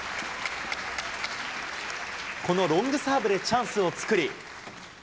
このロングサーブでチャンスを作り。